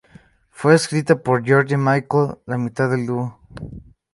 Fue escrita por George Michael, la mitad del dúo.